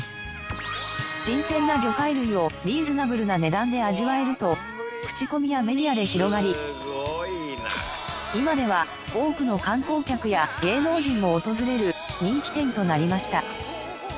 新鮮な魚介類をリーズナブルな値段で味わえると口コミやメディアで広がり今では多くの観光客や芸能人も訪れる人気店となりました。